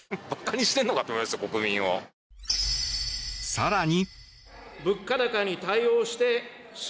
更に。